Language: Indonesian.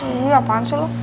ini apaan sih lu